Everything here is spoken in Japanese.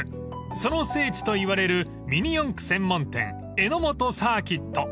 ［その聖地といわれるミニ四駆専門店えのもとサーキット］